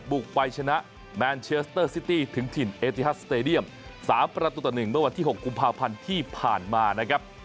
บุกไปชนะแมนเชสเตอร์ซิตี้ถึงถิ่นเอติฮัสสเตดียม๓ประตูต่อ๑เมื่อวันที่๖กุมภาพันธ์ที่ผ่านมานะครับ